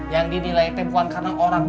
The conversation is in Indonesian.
yang dinilai teh puan karena orang